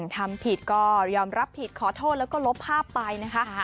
ทำผิดก็ยอมรับผิดขอโทษแล้วก็ลบภาพไปนะคะ